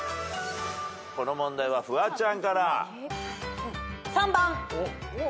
この問題はフワちゃんから。